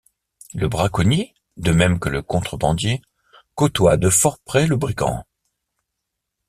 Le braconnier, de même que le contrebandier, côtoie de fort près le brigand.